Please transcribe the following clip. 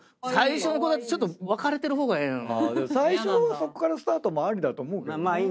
最初はそっからスタートもありだと思うけど。